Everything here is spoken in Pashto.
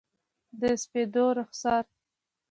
د سپېدو رخسار،